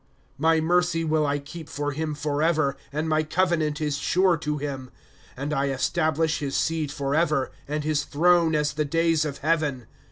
^^ My mercy will I keep for him forever, And my covenant is sure to him, ^' And I establish his seed forever, And his throne as the days of heaven.